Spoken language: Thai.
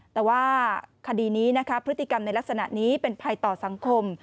แต่ว่าคดีนี้นะคะพฤติกรรมในลักษณะนี้เป็นภัยต่อสังคม